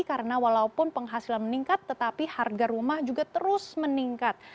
karena walaupun penghasilan meningkat tetapi harga rumah juga terus meningkat